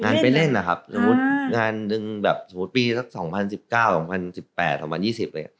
งานไปเล่นนะครับงานนึงแบบสมมุติปีสัก๒๐๑๙๒๐๑๘๒๐๒๐เลย